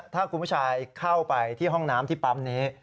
ถ้าคุณผู้ชายเข้าไปที่ห้องน้ำที่ปั๊มนี้